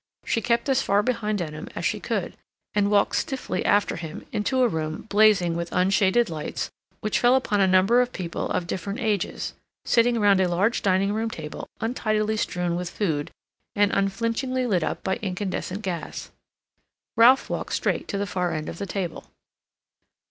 She kept as far behind Denham as she could, and walked stiffly after him into a room blazing with unshaded lights, which fell upon a number of people, of different ages, sitting round a large dining room table untidily strewn with food, and unflinchingly lit up by incandescent gas. Ralph walked straight to the far end of the table.